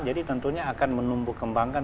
jadi tentunya akan menumbuh kembangkan